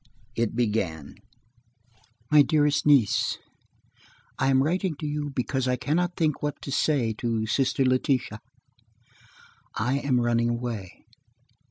It began: MY DEAREST NIECE: "I am writing to you, because I can not think what to say to Sister Letitia. I am running away!